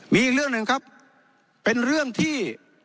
มีอีกเรื่องหนึ่งครับเป็นเรื่องที่